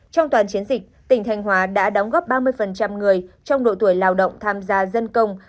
trong toàn chiến dịch tỉnh thanh hóa đã đóng góp ba mươi người trong độ tuổi lao động tham gia dân công